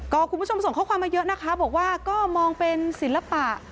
คุณผู้ชมส่งข้อความมาเยอะนะคะบอกว่าก็มองเป็นศิลปะ